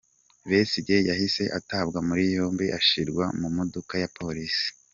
Besigye yahise atabwa muri yombi ashyirwa mu modoka ya polisi.